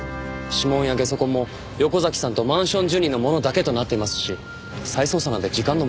指紋やゲソ痕も横崎さんとマンション住人のものだけとなっていますし再捜査なんて時間の無駄では？